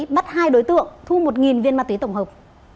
bắt hai đối tượng thu một viên ma túy tổng hợp